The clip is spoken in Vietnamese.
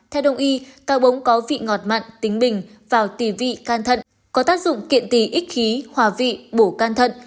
theo đồng ý cá bống có vị ngọt mặn tính bình vào tì vị can thận có tác dụng kiện tì ích khí hòa vị bổ can thận